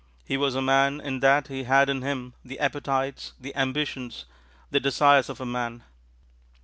He was a man in that he had in him the appetites, the ambitions, the desires of a man.